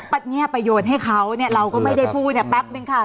ปัดเงียบไปโยนให้เขาเราก็ไม่ได้พูดแป๊บนึงค่ะ